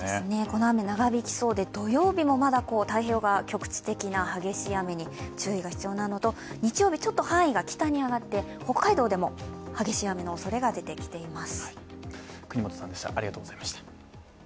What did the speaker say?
この雨長引きそうで、土曜日もまだ太平洋側局地的な激しい雨に注意が必要なのと、日曜日、ちょっと範囲が北に上がって、北海道でも激しい雨のおそれが出てきています。